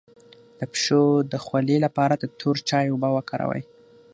د پښو د خولې لپاره د تور چای اوبه وکاروئ